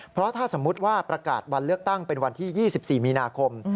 เพราะถ้าสมมุติว่าประกาศวันเลือกตั้งเป็นวันที่๒๔มีนาคม